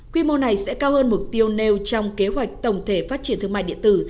quy mô này sẽ cao hơn mục tiêu nêu trong kế hoạch tổng thể phát triển thương mại điện tử